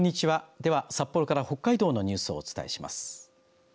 では札幌から北海道のニュースをお伝えします。